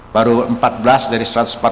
baru empat belas dari satu ratus empat puluh